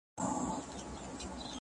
چې د نقاشۍ په شنه ورشو کې څري